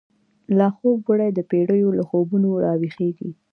لاخوب وړی دپیړیو، له خوبونو راویښیږی